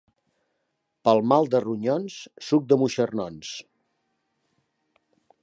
Pel mal de ronyons, suc de moixernons.